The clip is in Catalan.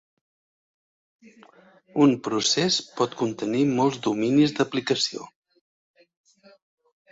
Un procés pot contenir molts dominis d'aplicació.